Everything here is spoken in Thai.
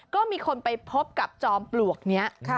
ก็มีคนไปพบกับจอมปลวกนี้